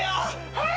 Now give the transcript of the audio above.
はい！